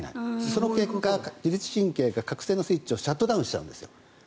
その結果、自律神経が覚醒のスイッチをシャットダウンしちゃうんです。